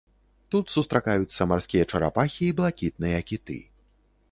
Тут сустракаюцца марскія чарапахі і блакітныя кіты.